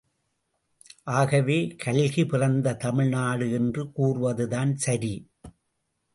ஆகவே கல்கி பிறந்த தமிழ் நாடு என்று கூறுவதுதான் சரி.